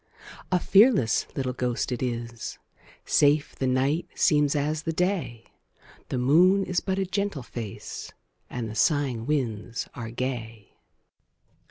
A fearless little ghost it is; Safe the night seems as the day; The moon is but a gentle face, And the sighing winds are gay.